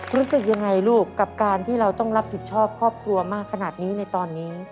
รู้สึกยังไงลูกกับการที่เราต้องรับผิดชอบครอบครัวมากขนาดนี้ในตอนนี้